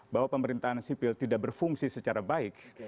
bahwa pemerintahan sipil tidak berfungsi secara baik